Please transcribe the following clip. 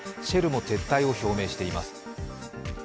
シェルも撤退を表明しています。